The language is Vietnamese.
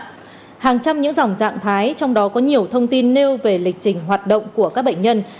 trong những dòng trạng thái trong đó có nhiều thông tin nêu về lịch trình hoạt động của các bệnh nhân